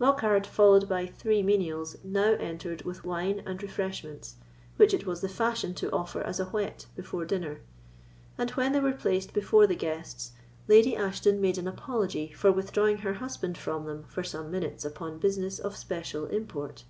Lockhard, followed by three menials, now entered with wine and refreshments, which it was the fashion to offer as a whet before dinner; and when they were placed before the guests, Lady Ashton made an apology for withdrawing her husband from them for some minutes upon business of special import.